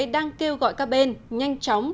đang kêu gọi các bên nhanh chóng